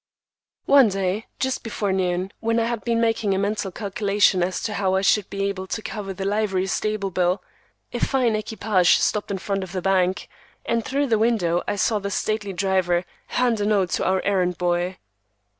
One day, just before noon, when I had been making a mental calculation as to how I should be able to cover the livery stable bill, a fine equipage stopped in front of the bank, and through the window I saw the stately driver hand a note to our errand boy.